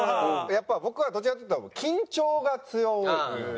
やっぱ僕はどちらかっていうと緊張が強いんですよ。